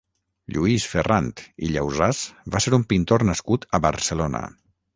Lluís Ferrant i Llausàs va ser un pintor nascut a Barcelona.